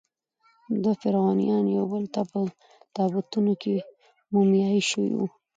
دوه فرعونیان یوبل ته په تابوتونو کې مومیایي شوي وو.